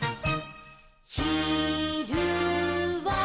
「ひるは」